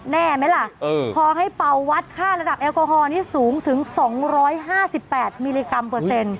แน่ไหมล่ะพอให้เป่าวัดค่าระดับแอลกอฮอลนี้สูงถึง๒๕๘มิลลิกรัมเปอร์เซ็นต์